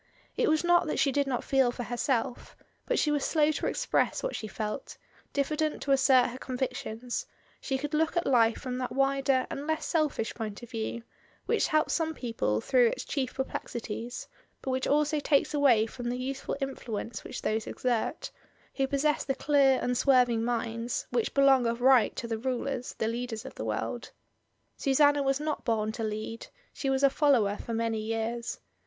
It was not that she did not feel for herself, but she was slow to express what she felt, diffident to assert her convictions; she could look at life from that wider and less selfish point of view, which helps some people through its chief perplexities, but which also takes away from the useful influence which those exert, who possess the clear unswerving minds, which belong of right to the rulers, the leaders of the world. Susanna was not bom to lead; she was a follower for many years.